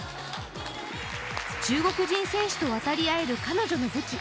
中国人選手と渡り合える彼女の武器。